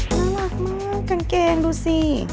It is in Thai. น่ารักมากกางเกงดูสิ